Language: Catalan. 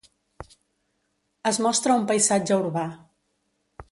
Es mostra un paisatge urbà.